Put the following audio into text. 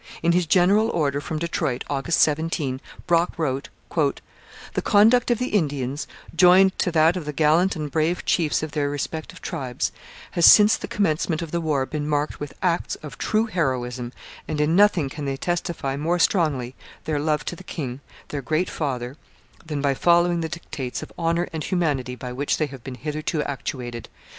In his general order from Detroit, August 17, Brock wrote: The conduct of the Indians, joined to that of the gallant and brave chiefs of their respective tribes, has since the commencement of the war been marked with acts of true heroism, and in nothing can they testify more strongly their love to the king, their great father, than by following the dictates of honour and humanity by which they have been hitherto actuated.